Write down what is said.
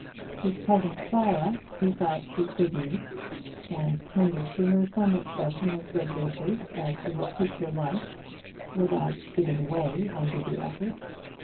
His cousin Clara he thought he could meet, and tender to her some expression of good wishes as to her future life, without giving way under the effort.